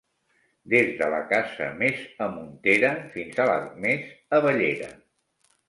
Des de la casa més amuntera fins a la més avallera.